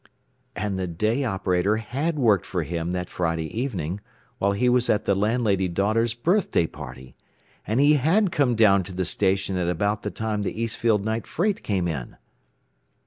And the day operator had worked for him that Friday evening, while he was at the landlady's daughter's birthday party! And he had come down to the station at about the time the Eastfield night freight came in!